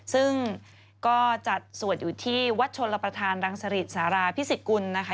ซึ่งก็จัดสวดอยู่ที่วัดชนลประธานรังสริตสาราพิสิทกุลนะคะ